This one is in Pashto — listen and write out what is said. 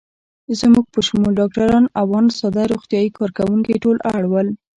زموږ په شمول ډاکټران او آن ساده روغتیايي کارکوونکي ټول اړ ول.